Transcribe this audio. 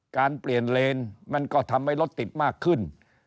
การเปลี่ยนเลนมันก็ทำให้รถติดมากขึ้น